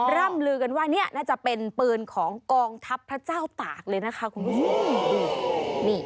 ร่ำลือกันว่าเนี่ยน่าจะเป็นปืนของกองทัพพระเจ้าตากเลยนะคะคุณผู้ชม